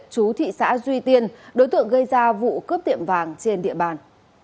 chú thị xã duy tiên đối tượng gây ra vụ cướp tiệm vàng trên địa bàn